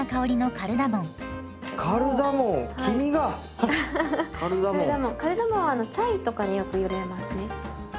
カルダモンはチャイとかによく入れますね。